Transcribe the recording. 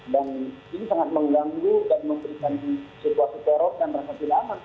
dan ini sangat mengganggu dan memperlukan situasi teror dan rasa hilang